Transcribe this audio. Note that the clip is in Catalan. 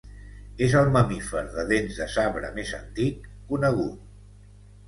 És el mamífer de dents de sabre més antic conegut.